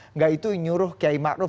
enggak itu nyuruh kiai ma'ruf